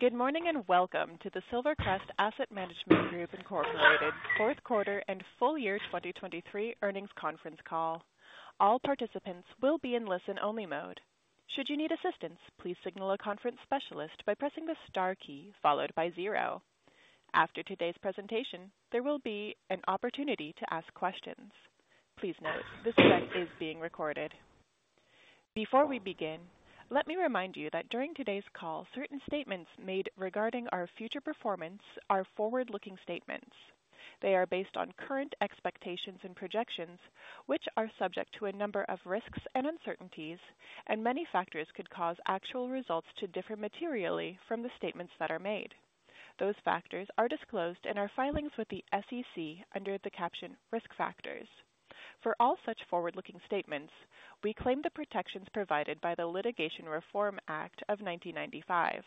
Good morning and welcome to the Silvercrest Asset Management Group Incorporated's Fourth Quarter and full-year 2023 Earnings Conference Call. All participants will be in listen-only mode. Should you need assistance, please signal a conference specialist by pressing the star key followed by 0. After today's presentation, there will be an opportunity to ask questions. Please note, this event is being recorded. Before we begin, let me remind you that during today's call, certain statements made regarding our future performance are forward-looking statements. They are based on current expectations and projections, which are subject to a number of risks and uncertainties, and many factors could cause actual results to differ materially from the statements that are made. Those factors are disclosed in our filings with the SEC under the caption "Risk Factors." For all such forward-looking statements, we claim the protections provided by the Litigation Reform Act of 1995.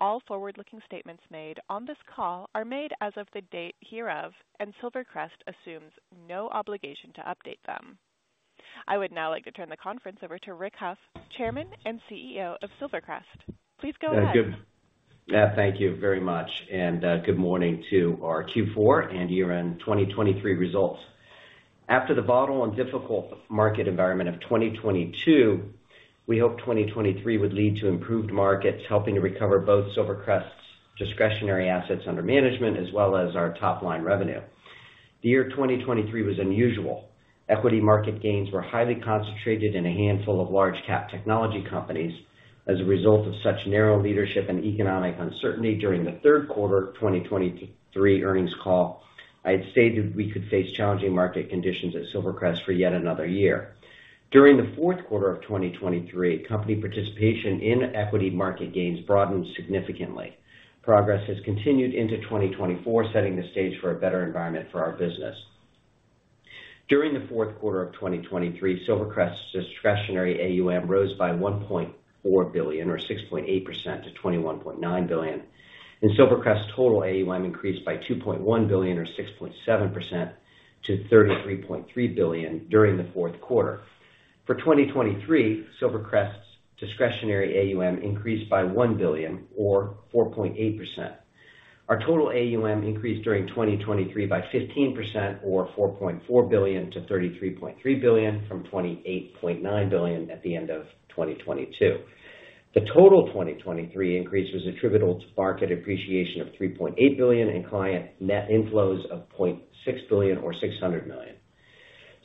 All forward-looking statements made on this call are made as of the date hereof, and Silvercrest assumes no obligation to update them. I would now like to turn the conference over to Rick Hough, Chairman and CEO of Silvercrest. Please go ahead. Yeah, good. Yeah, thank you very much. Good morning to our Q4 and year-end 2023 results. After the volatile and difficult market environment of 2022, we hope 2023 would lead to improved markets helping to recover both Silvercrest's discretionary assets under management as well as our top-line revenue. The year 2023 was unusual. Equity market gains were highly concentrated in a handful of large-cap technology companies. As a result of such narrow leadership and economic uncertainty during the third quarter 2023 earnings call, I had stated we could face challenging market conditions at Silvercrest for yet another year. During the fourth quarter of 2023, company participation in equity market gains broadened significantly. Progress has continued into 2024, setting the stage for a better environment for our business. During the fourth quarter of 2023, Silvercrest's discretionary AUM rose by $1.4 billion or 6.8% to $21.9 billion, and Silvercrest's total AUM increased by $2.1 billion or 6.7% to $33.3 billion during the fourth quarter. For 2023, Silvercrest's discretionary AUM increased by $1 billion or 4.8%. Our total AUM increased during 2023 by 15% or $4.4 billion to $33.3 billion from $28.9 billion at the end of 2022. The total 2023 increase was attributable to market appreciation of $3.8 billion and client net inflows of $0.6 billion or $600 million.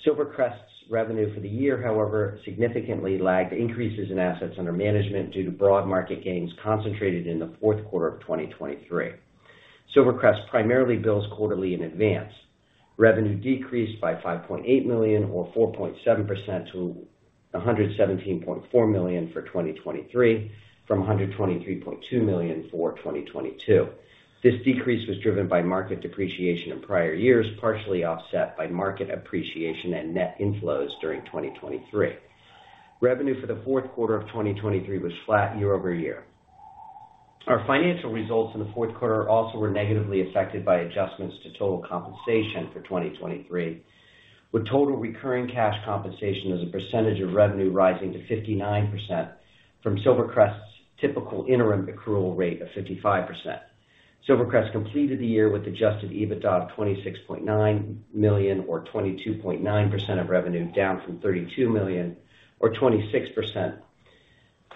Silvercrest's revenue for the year, however, significantly lagged increases in assets under management due to broad market gains concentrated in the fourth quarter of 2023. Silvercrest primarily bills quarterly in advance. Revenue decreased by $5.8 million or 4.7% to $117.4 million for 2023 from $123.2 million for 2022. This decrease was driven by market depreciation in prior years, partially offset by market appreciation and net inflows during 2023. Revenue for the fourth quarter of 2023 was flat year-over-year. Our financial results in the fourth quarter also were negatively affected by adjustments to total compensation for 2023, with total recurring cash compensation as a percentage of revenue rising to 59% from Silvercrest's typical interim accrual rate of 55%. Silvercrest completed the year with Adjusted EBITDA of $26.9 million or 22.9% of revenue, down from $32 million or 26%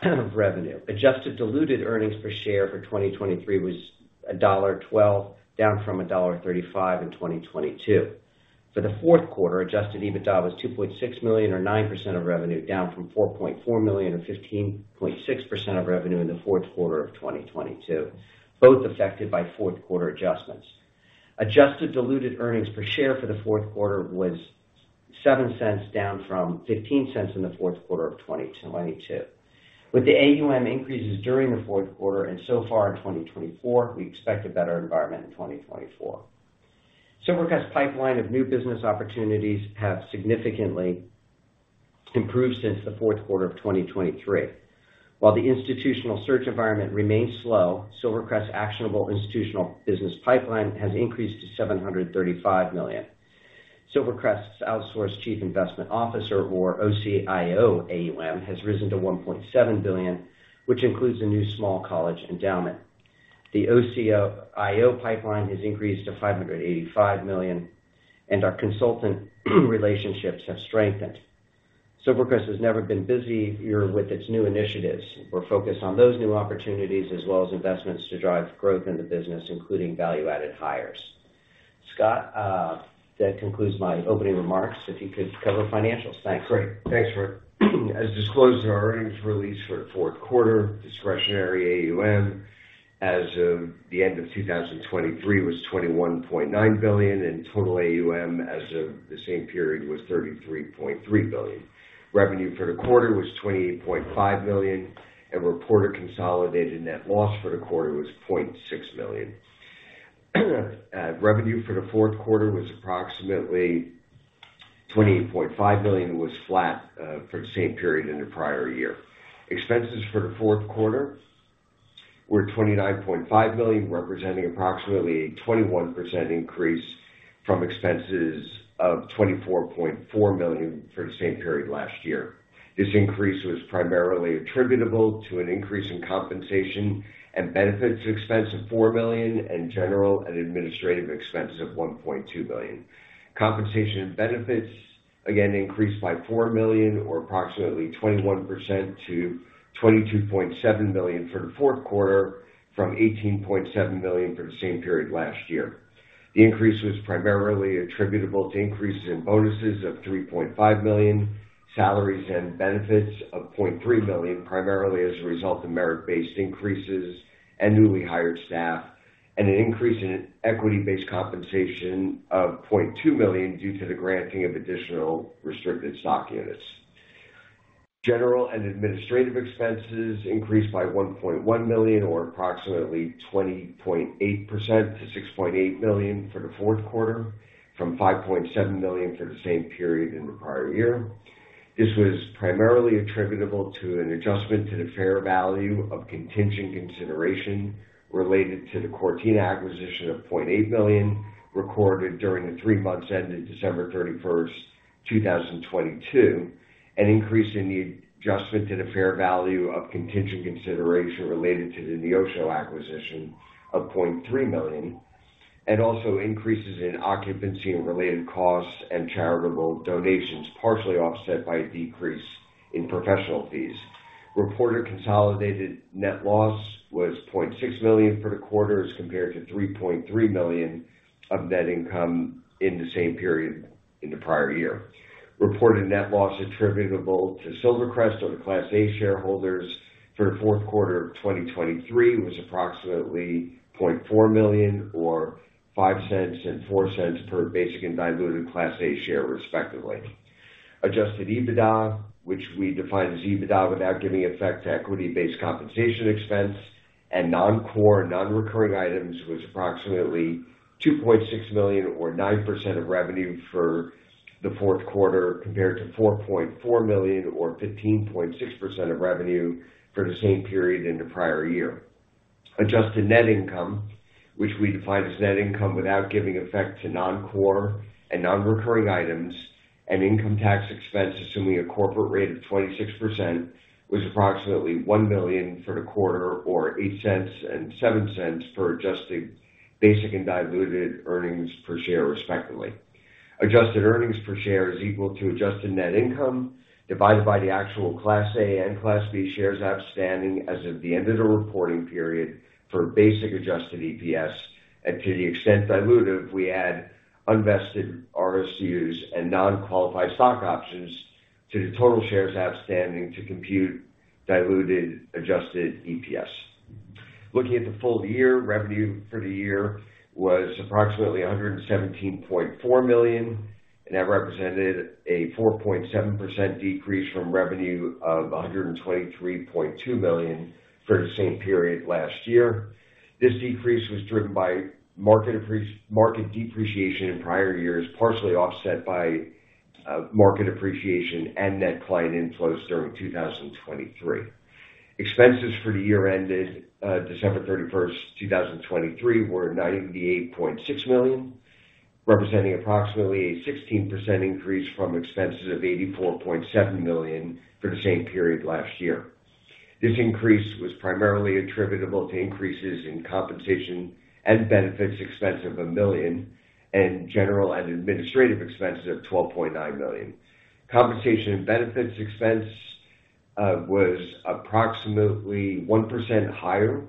of revenue. Adjusted diluted earnings per share for 2023 was $1.12, down from $1.35 in 2022. For the fourth quarter, Adjusted EBITDA was $2.6 million or 9% of revenue, down from $4.4 million or 15.6% of revenue in the fourth quarter of 2022, both affected by fourth-quarter adjustments. Adjusted diluted earnings per share for the fourth quarter was $0.07, down from $0.15 in the fourth quarter of 2022. With the AUM increases during the fourth quarter and so far in 2024, we expect a better environment in 2024. Silvercrest's pipeline of new business opportunities have significantly improved since the fourth quarter of 2023. While the institutional search environment remains slow, Silvercrest's actionable institutional business pipeline has increased to $735 million. Silvercrest's Outsourced Chief Investment Officer, or OCIO, AUM has risen to $1.7 billion, which includes a new small college endowment. The OCIO pipeline has increased to $585 million, and our consultant relationships have strengthened. Silvercrest has never been busier with its new initiatives. We're focused on those new opportunities as well as investments to drive growth in the business, including value-added hires. Scott, that concludes my opening remarks. If you could cover financials, thanks. Great. Thanks, Rick. As disclosed, our earnings release for the fourth quarter, discretionary AUM as of the end of 2023 was $21.9 billion, and total AUM as of the same period was $33.3 billion. Revenue for the quarter was $28.5 million, and reported consolidated net loss for the quarter was $0.6 million. Revenue for the fourth quarter was approximately $28.5 million and was flat for the same period in the prior year. Expenses for the fourth quarter were $29.5 million, representing approximately a 21% increase from expenses of $24.4 million for the same period last year. This increase was primarily attributable to an increase in compensation and benefits expense of $4 million and general and administrative expenses of $1.2 million. Compensation and benefits, again, increased by $4 million or approximately 21% to $22.7 million for the fourth quarter from $18.7 million for the same period last year. The increase was primarily attributable to increases in bonuses of $3.5 million, salaries and benefits of $0.3 million, primarily as a result of merit-based increases and newly hired staff, and an increase in equity-based compensation of $0.2 million due to the granting of additional restricted stock units. General and administrative expenses increased by $1.1 million or approximately 20.8% to $6.8 million for the fourth quarter from $5.7 million for the same period in the prior year. This was primarily attributable to an adjustment to the fair value of contingent consideration related to the Cortina acquisition of $0.8 million recorded during the three months ended December 31st, 2022, an increase in the adjustment to the fair value of contingent consideration related to the Neosho acquisition of $0.3 million, and also increases in occupancy-related costs and charitable donations, partially offset by a decrease in professional fees. Reported consolidated net loss was $0.6 million for the quarter as compared to $3.3 million of net income in the same period in the prior year. Reported net loss attributable to Silvercrest or the Class A shareholders for the fourth quarter of 2023 was approximately $0.4 million or $0.05 and $0.04 per basic and diluted Class A share, respectively. Adjusted EBITDA, which we define as EBITDA without giving effect to equity-based compensation expense and non-core non-recurring items, was approximately $2.6 million or 9% of revenue for the fourth quarter compared to $4.4 million or 15.6% of revenue for the same period in the prior year. Adjusted net income, which we define as net income without giving effect to non-core and non-recurring items and income tax expense assuming a corporate rate of 26%, was approximately $1 million for the quarter or $0.08 and $0.07 per adjusted basic and diluted earnings per share, respectively. Adjusted earnings per share is equal to adjusted net income divided by the actual Class A and Class B shares outstanding as of the end of the reporting period for basic Adjusted EPS. To the extent diluted, we add unvested RSUs and non-qualified stock options to the total shares outstanding to compute diluted Adjusted EPS. Looking at the full year, revenue for the year was approximately $117.4 million, and that represented a 4.7% decrease from revenue of $123.2 million for the same period last year. This decrease was driven by market depreciation in prior years, partially offset by market appreciation and net client inflows during 2023. Expenses for the year ended December 31st, 2023, were $98.6 million, representing approximately a 16% increase from expenses of $84.7 million for the same period last year. This increase was primarily attributable to increases in compensation and benefits expense of $1 million and general and administrative expenses of $12.9 million. Compensation and benefits expense was approximately 1% higher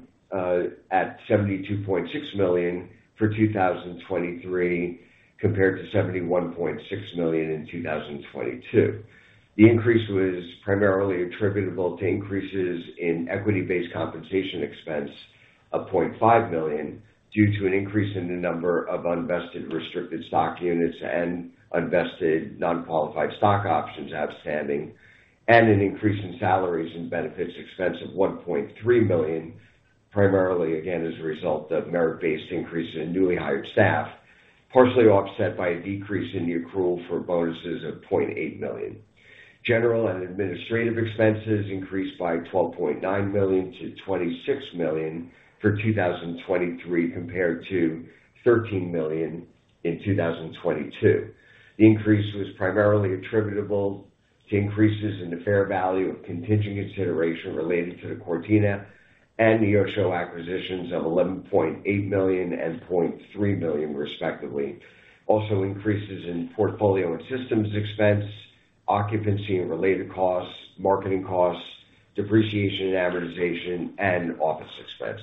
at $72.6 million for 2023 compared to $71.6 million in 2022. The increase was primarily attributable to increases in equity-based compensation expense of $0.5 million due to an increase in the number of unvested restricted stock units and unvested non-qualified stock options outstanding, and an increase in salaries and benefits expense of $1.3 million, primarily, again, as a result of merit-based increase in newly hired staff, partially offset by a decrease in the accrual for bonuses of $0.8 million. General and administrative expenses increased by $12.9 million to $26 million for 2023 compared to $13 million in 2022. The increase was primarily attributable to increases in the fair value of contingent consideration related to the Cortina and Neosho acquisitions of $11.8 million and $0.3 million, respectively. Also, increases in portfolio and systems expense, occupancy-related costs, marketing costs, depreciation and amortization, and office expense.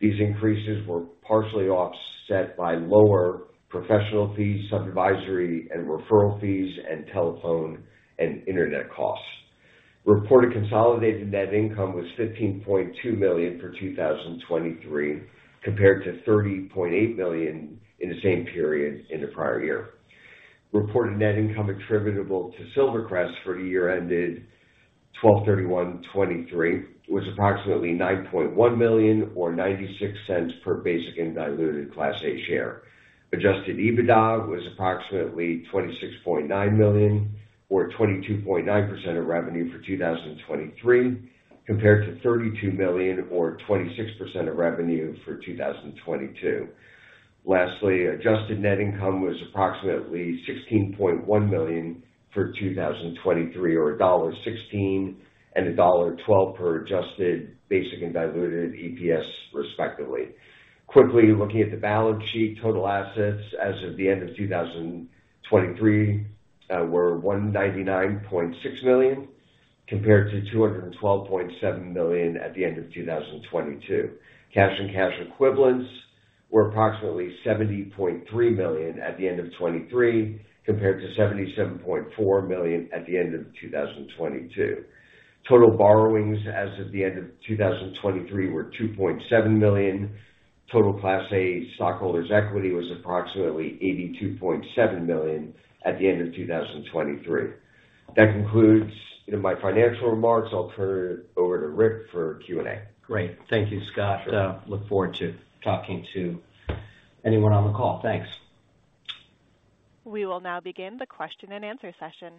These increases were partially offset by lower professional fees, supervisory and referral fees, and telephone and internet costs. Reported consolidated net income was $15.2 million for 2023 compared to $30.8 million in the same period in the prior year. Reported net income attributable to Silvercrest for the year ended 12/31/2023 was approximately $9.1 million or $0.96 per basic and diluted Class A share. Adjusted EBITDA was approximately $26.9 million or 22.9% of revenue for 2023 compared to $32 million or 26% of revenue for 2022. Lastly, adjusted net income was approximately $16.1 million for 2023 or $1.16 and $1.12 per adjusted basic and diluted EPS, respectively. Quickly, looking at the balance sheet, total assets as of the end of 2023 were $199.6 million compared to $212.7 million at the end of 2022. Cash and cash equivalents were approximately $70.3 million at the end of 2023 compared to $77.4 million at the end of 2022. Total borrowings as of the end of 2023 were $2.7 million. Total Class A stockholders' equity was approximately $82.7 million at the end of 2023. That concludes my financial remarks. I'll turn it over to Rick for Q&A. Great. Thank you, Scott. Look forward to talking to anyone on the call. Thanks. We will now begin the question-and-answer session.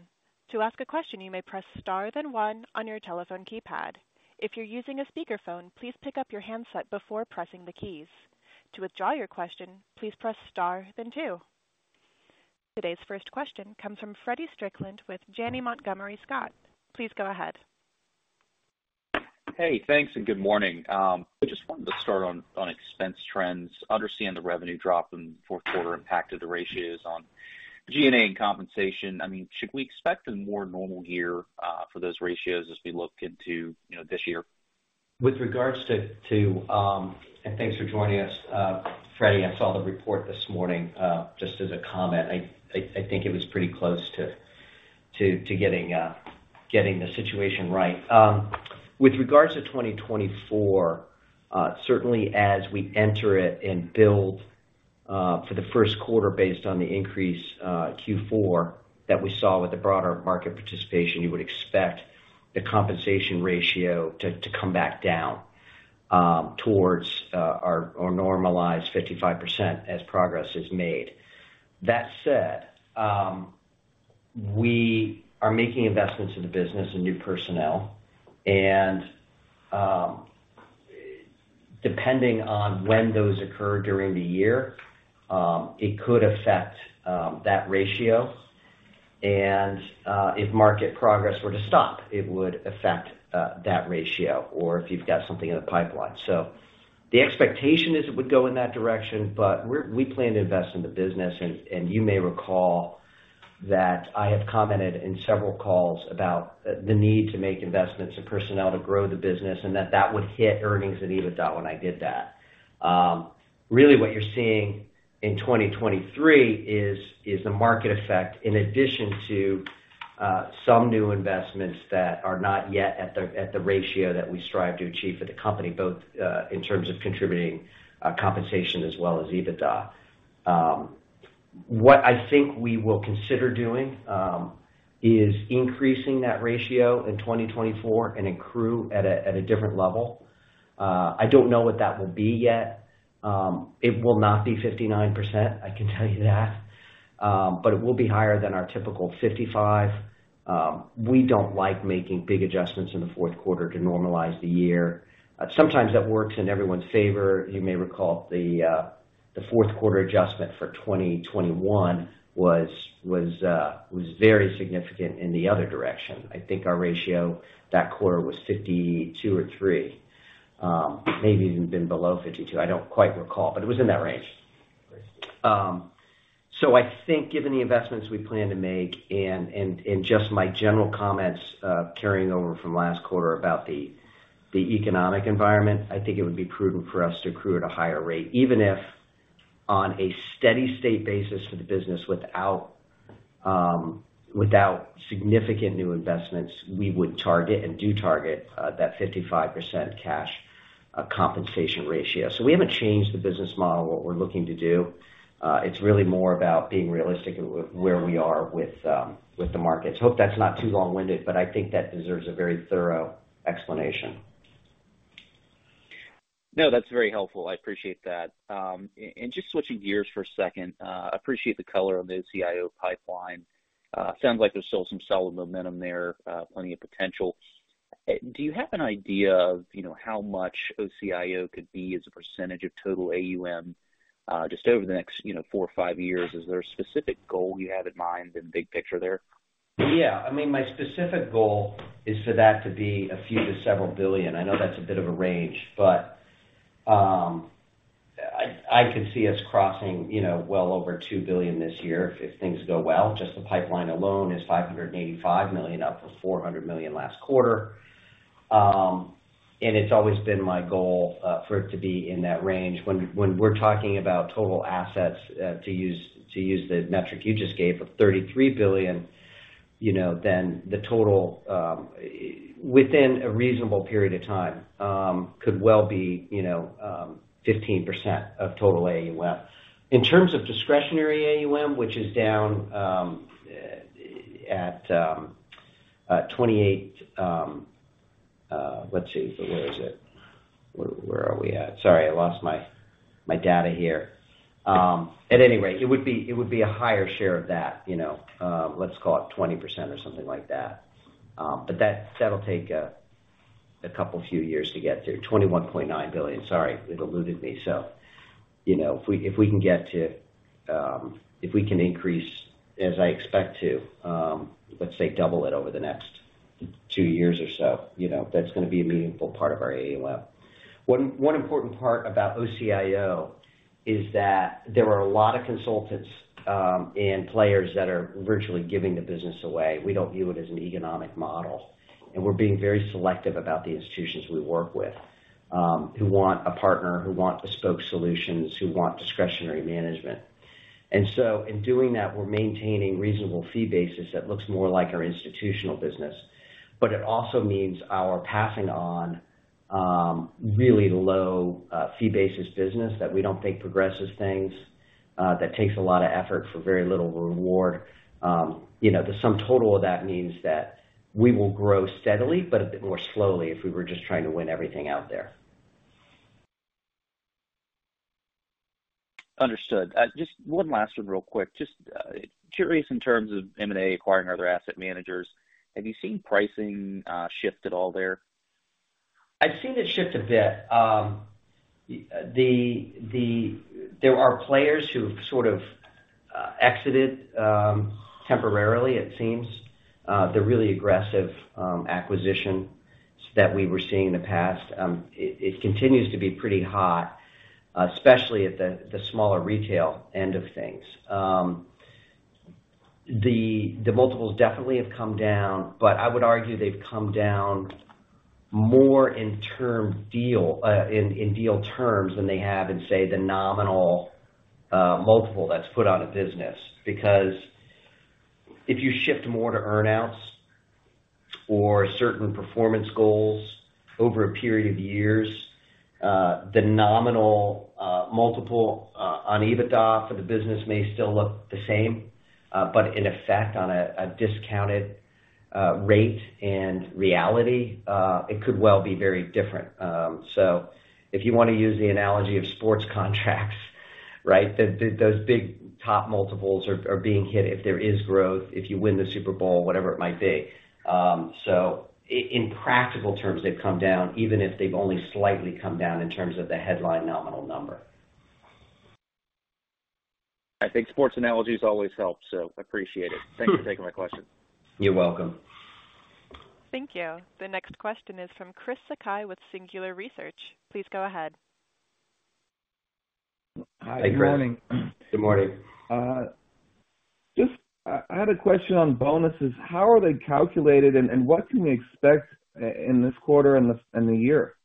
To ask a question, you may press star then one on your telephone keypad. If you're using a speakerphone, please pick up your handset before pressing the keys. To withdraw your question, please press star then two. Today's first question comes from Feddie Strickland with Janney Montgomery Scott. Please go ahead. Hey. Thanks and good morning. I just wanted to start on expense trends. Understand the revenue drop in the fourth quarter impacted the ratios on G&A and compensation. I mean, should we expect a more normal year for those ratios as we look into this year? With regards to and thanks for joining us, Feddie. I saw the report this morning just as a comment. I think it was pretty close to getting the situation right. With regards to 2024, certainly, as we enter it and build for the first quarter based on the increase Q4 that we saw with the broader market participation, you would expect the compensation ratio to come back down towards our normalized 55% as progress is made. That said, we are making investments in the business and new personnel. And depending on when those occur during the year, it could affect that ratio. And if market progress were to stop, it would affect that ratio or if you've got something in the pipeline. So the expectation is it would go in that direction, but we plan to invest in the business. You may recall that I have commented in several calls about the need to make investments in personnel to grow the business and that that would hit earnings and EBITDA when I did that. Really, what you're seeing in 2023 is the market effect in addition to some new investments that are not yet at the ratio that we strive to achieve for the company, both in terms of contributing compensation as well as EBITDA. What I think we will consider doing is increasing that ratio in 2024 and accrue at a different level. I don't know what that will be yet. It will not be 59%. I can tell you that. But it will be higher than our typical 55%. We don't like making big adjustments in the fourth quarter to normalize the year. Sometimes that works in everyone's favor. You may recall the fourth quarter adjustment for 2021 was very significant in the other direction. I think our ratio that quarter was 52 or 53, maybe even been below 52. I don't quite recall, but it was in that range. So I think given the investments we plan to make and just my general comments carrying over from last quarter about the economic environment, I think it would be prudent for us to accrue at a higher rate, even if on a steady-state basis for the business without significant new investments, we would target and do target that 55% cash compensation ratio. So we haven't changed the business model, what we're looking to do. It's really more about being realistic with where we are with the markets. Hope that's not too long-winded, but I think that deserves a very thorough explanation. No, that's very helpful. I appreciate that. Just switching gears for a second, I appreciate the color on the OCIO pipeline. Sounds like there's still some solid momentum there, plenty of potential. Do you have an idea of how much OCIO could be as a percentage of total AUM just over the next four or five years? Is there a specific goal you have in mind and big picture there? Yeah. I mean, my specific goal is for that to be a few to several billion. I know that's a bit of a range, but I could see us crossing well over $2 billion this year if things go well. Just the pipeline alone is $585 million, up from $400 million last quarter. And it's always been my goal for it to be in that range. When we're talking about total assets, to use the metric you just gave of $33 billion, then the total within a reasonable period of time could well be 15% of total AUM. In terms of discretionary AUM, which is down at $28 billion let's see, but where is it? Where are we at? Sorry, I lost my data here. At any rate, it would be a higher share of that. Let's call it 20% or something like that. But that'll take a couple few years to get to $21.9 billion. Sorry, it eluded me. So if we can increase, as I expect to, let's say double it over the next two years or so, that's going to be a meaningful part of our AUM. One important part about OCIO is that there are a lot of consultants and players that are virtually giving the business away. We don't view it as an economic model. And we're being very selective about the institutions we work with who want a partner, who want bespoke solutions, who want discretionary management. And so in doing that, we're maintaining reasonable fee basis that looks more like our institutional business. But it also means we're passing on really low-fee basis business that we don't think progresses things, that takes a lot of effort for very little reward. The sum total of that means that we will grow steadily, but a bit more slowly if we were just trying to win everything out there. Understood. Just one last one real quick. Just curious in terms of M&A acquiring other asset managers, have you seen pricing shift at all there? I've seen it shift a bit. There are players who have sort of exited temporarily, it seems, the really aggressive acquisition that we were seeing in the past. It continues to be pretty hot, especially at the smaller retail end of things. The multiples definitely have come down, but I would argue they've come down more in deal terms than they have in, say, the nominal multiple that's put on a business. Because if you shift more to earnouts or certain performance goals over a period of years, the nominal multiple on EBITDA for the business may still look the same. But in effect, on a discounted rate and reality, it could well be very different. So if you want to use the analogy of sports contracts, right, those big top multiples are being hit if there is growth, if you win the Super Bowl, whatever it might be. So in practical terms, they've come down, even if they've only slightly come down in terms of the headline nominal number. I think sports analogies always help, so appreciate it. Thanks for taking my question. You're welcome. Thank you. The next question is from Chris Sakai with Singular Research. Please go ahead. Hi. Good morning. Good morning. I had a question on bonuses. How are they calculated, and what can we expect in this quarter and the year?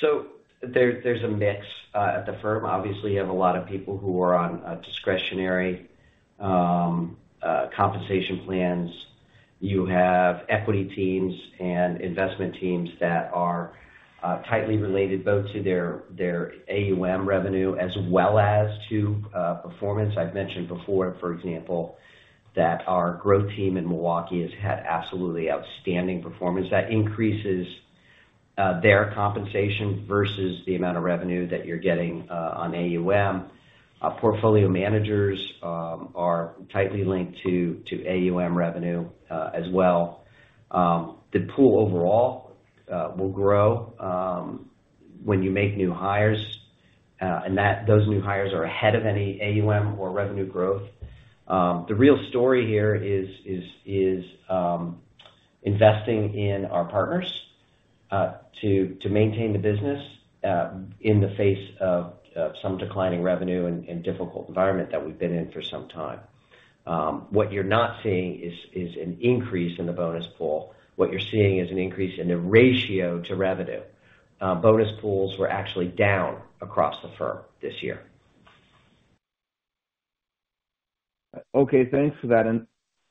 So there's a mix at the firm. Obviously, you have a lot of people who are on discretionary compensation plans. You have equity teams and investment teams that are tightly related both to their AUM revenue as well as to performance. I've mentioned before, for example, that our growth team in Milwaukee has had absolutely outstanding performance. That increases their compensation versus the amount of revenue that you're getting on AUM. Portfolio managers are tightly linked to AUM revenue as well. The pool overall will grow when you make new hires, and those new hires are ahead of any AUM or revenue growth. The real story here is investing in our partners to maintain the business in the face of some declining revenue and difficult environment that we've been in for some time. What you're not seeing is an increase in the bonus pool. What you're seeing is an increase in the ratio to revenue. Bonus pools were actually down across the firm this year. Okay. Thanks for that.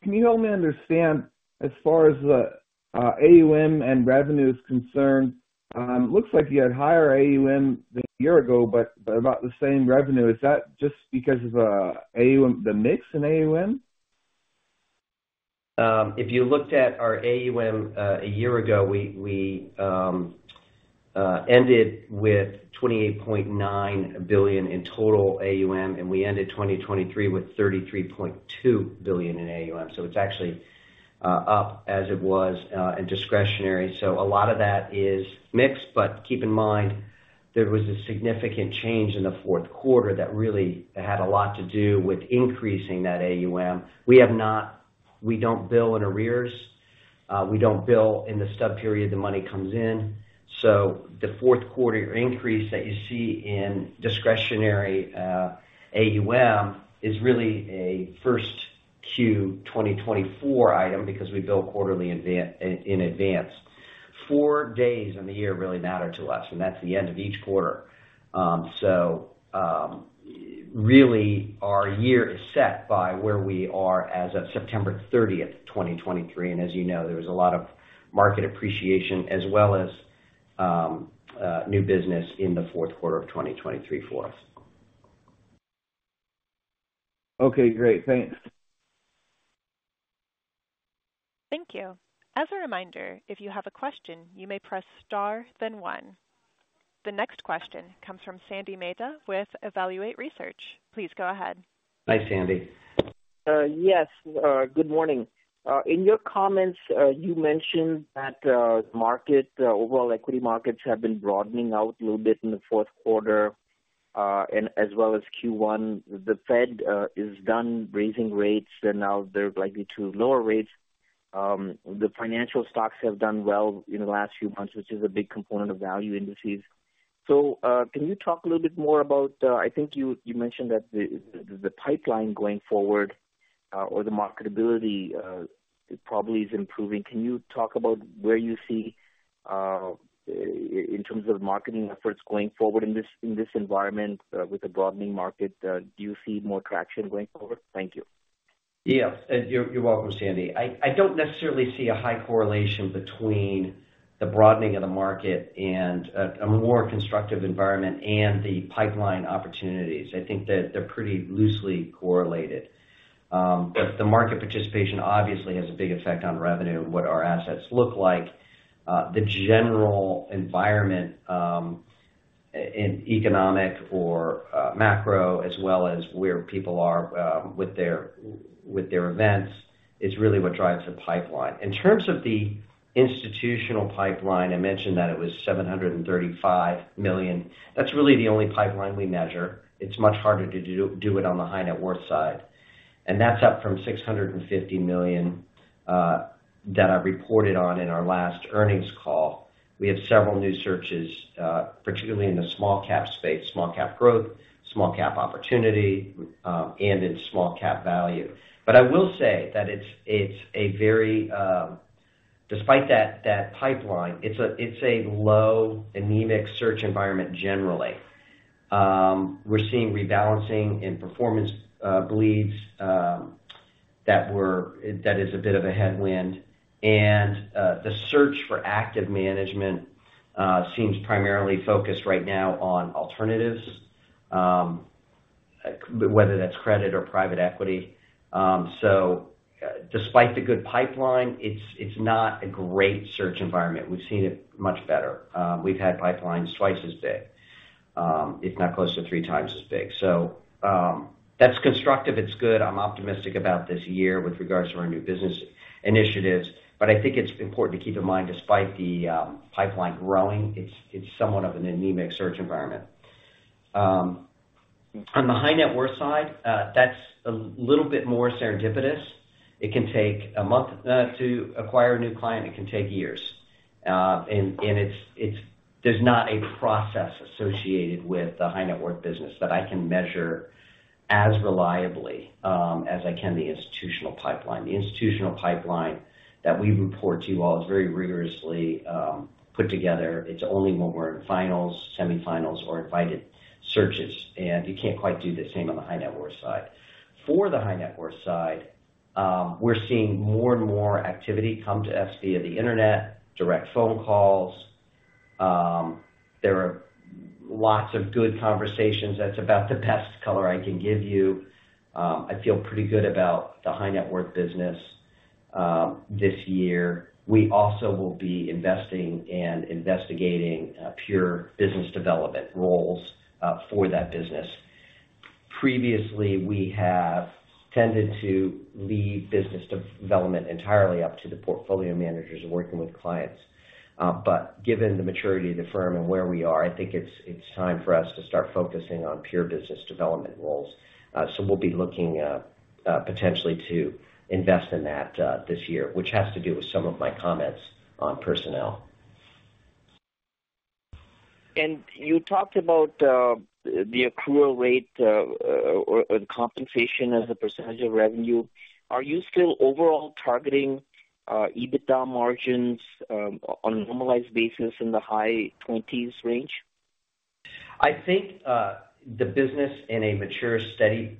Can you help me understand, as far as the AUM and revenue is concerned, it looks like you had higher AUM than a year ago, but about the same revenue. Is that just because of the mix in AUM? If you looked at our AUM a year ago, we ended with $28.9 billion in total AUM, and we ended 2023 with $33.2 billion in AUM. So it's actually up as it was in discretionary. So a lot of that is mixed. But keep in mind, there was a significant change in the fourth quarter that really had a lot to do with increasing that AUM. We don't bill in arrears. We don't bill in the subperiod the money comes in. So the fourth quarter increase that you see in discretionary AUM is really a first Q2024 item because we bill quarterly in advance. 4 days in the year really matter to us, and that's the end of each quarter. So really, our year is set by where we are as of September 30th, 2023. As you know, there was a lot of market appreciation as well as new business in the fourth quarter of 2023 for us. Okay. Great. Thanks. Thank you. As a reminder, if you have a question, you may press star then one. The next question comes from Sandy Mehta with Evaluate Research. Please go ahead. Hi, Sandy. Yes. Good morning. In your comments, you mentioned that the overall equity markets have been broadening out a little bit in the fourth quarter as well as Q1. The Fed is done raising rates, and now they're likely to lower rates. The financial stocks have done well in the last few months, which is a big component of value indices. So can you talk a little bit more about, I think you mentioned, that the pipeline going forward or the marketability probably is improving. Can you talk about where you see in terms of marketing efforts going forward in this environment with a broadening market? Do you see more traction going forward? Thank you. Yes. You're welcome, Sandy. I don't necessarily see a high correlation between the broadening of the market and a more constructive environment and the pipeline opportunities. I think that they're pretty loosely correlated. But the market participation obviously has a big effect on revenue and what our assets look like. The general environment, economic or macro, as well as where people are with their events, is really what drives the pipeline. In terms of the institutional pipeline, I mentioned that it was $735 million. That's really the only pipeline we measure. It's much harder to do it on the high net worth side. That's up from $650 million that I reported on in our last earnings call. We have several new searches, particularly in the small-cap space, small-cap growth, small-cap opportunity, and in small-cap value. But I will say that it's very, despite that pipeline, it's a low, anemic search environment generally. We're seeing rebalancing and performance bleeds that is a bit of a headwind. And the search for active management seems primarily focused right now on alternatives, whether that's credit or private equity. So despite the good pipeline, it's not a great search environment. We've seen it much better. We've had pipelines twice as big, if not close to three times as big. So that's constructive. It's good. I'm optimistic about this year with regards to our new business initiatives. But I think it's important to keep in mind, despite the pipeline growing, it's somewhat of an anemic search environment. On the high net worth side, that's a little bit more serendipitous. It can take a month to acquire a new client. It can take years. There's not a process associated with the high net worth business that I can measure as reliably as I can the institutional pipeline. The institutional pipeline that we report to you all is very rigorously put together. It's only when we're in finals, semifinals, or invited searches. You can't quite do the same on the high net worth side. For the high net worth side, we're seeing more and more activity come to us via the internet, direct phone calls. There are lots of good conversations. That's about the best color I can give you. I feel pretty good about the high net worth business this year. We also will be investing and investigating pure business development roles for that business. Previously, we have tended to leave business development entirely up to the portfolio managers working with clients. But given the maturity of the firm and where we are, I think it's time for us to start focusing on pure business development roles. So we'll be looking potentially to invest in that this year, which has to do with some of my comments on personnel. You talked about the accrual rate or the compensation as a percentage of revenue. Are you still overall targeting EBITDA margins on a normalized basis in the high 20s range? I think the business in a mature, steady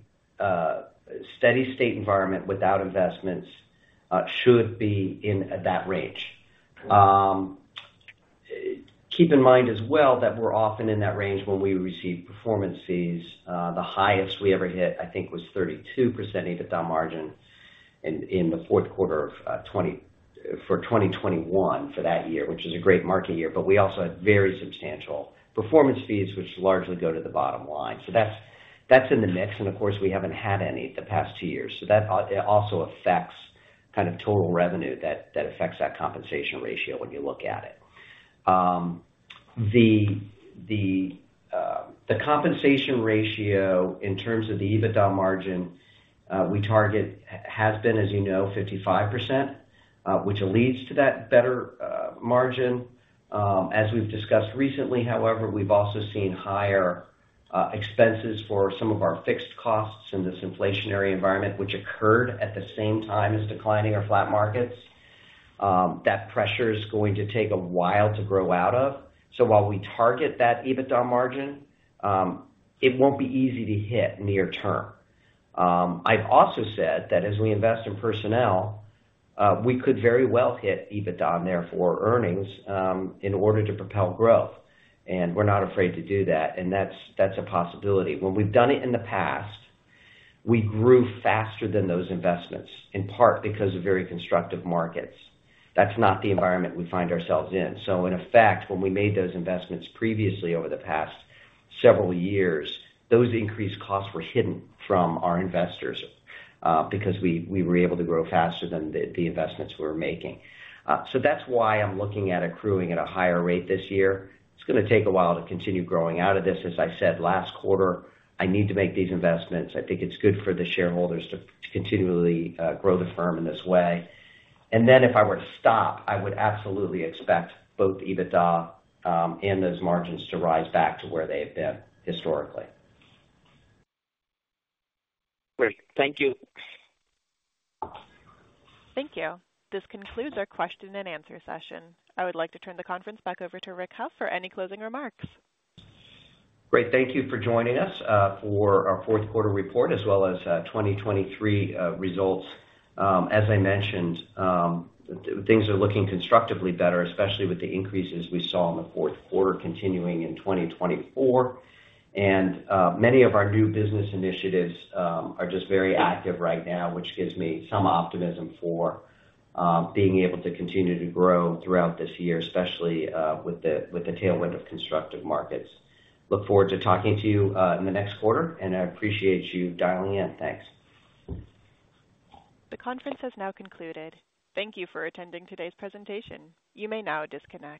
state environment without investments should be in that range. Keep in mind as well that we're often in that range when we receive performances. The highest we ever hit, I think, was 32% EBITDA margin in the fourth quarter for 2021 for that year, which is a great market year. But we also had very substantial performance fees, which largely go to the bottom line. So that's in the mix. And of course, we haven't had any the past two years. So that also affects kind of total revenue that affects that compensation ratio when you look at it. The compensation ratio in terms of the EBITDA margin we target has been, as you know, 55%, which leads to that better margin. As we've discussed recently, however, we've also seen higher expenses for some of our fixed costs in this inflationary environment, which occurred at the same time as declining or flat markets. That pressure is going to take a while to grow out of. So while we target that EBITDA margin, it won't be easy to hit near term. I've also said that as we invest in personnel, we could very well hit EBITDA on there for earnings in order to propel growth. We're not afraid to do that. That's a possibility. When we've done it in the past, we grew faster than those investments, in part because of very constructive markets. That's not the environment we find ourselves in. So in effect, when we made those investments previously over the past several years, those increased costs were hidden from our investors because we were able to grow faster than the investments we were making. So that's why I'm looking at accruing at a higher rate this year. It's going to take a while to continue growing out of this. As I said, last quarter, I need to make these investments. I think it's good for the shareholders to continually grow the firm in this way. And then if I were to stop, I would absolutely expect both EBITDA and those margins to rise back to where they have been historically. Great. Thank you. Thank you. This concludes our question and answer session. I would like to turn the conference back over to Rick Hough for any closing remarks. Great. Thank you for joining us for our fourth quarter report as well as 2023 results. As I mentioned, things are looking constructively better, especially with the increases we saw in the fourth quarter continuing in 2024. Many of our new business initiatives are just very active right now, which gives me some optimism for being able to continue to grow throughout this year, especially with the tailwind of constructive markets. Look forward to talking to you in the next quarter, and I appreciate you dialing in. Thanks. The conference has now concluded. Thank you for attending today's presentation. You may now disconnect.